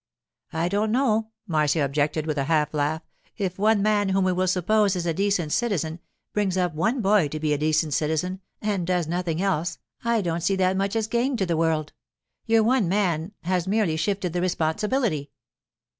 'I don't know,' Marcia objected, with a half laugh. 'If one man, whom we will suppose is a decent citizen, brings up one boy to be a decent citizen, and does nothing else, I don't see that much is gained to the world. Your one man has merely shifted the responsibility.